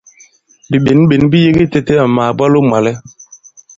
Bìɓěnɓěn bi yege itēte àmà màbwalo mwàlɛ.